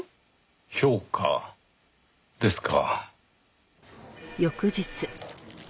評価ですか。